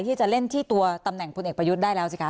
ที่จะเล่นที่ตัวตำแหน่งพลเอกประยุทธ์ได้แล้วสิคะ